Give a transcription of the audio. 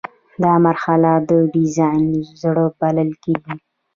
دا مرحله د ډیزاین زړه بلل کیږي.